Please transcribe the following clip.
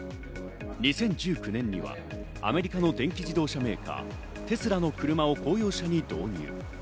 ２０１９年にはアメリカの電気自動車メーカー、テスラの車を公用車に導入。